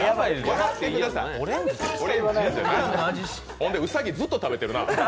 ほんで兎、ずっと食べてるな。